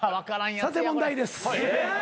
さて問題です。え！